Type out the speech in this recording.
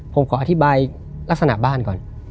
ผมขออธิบายลักษณะบ้านก่อน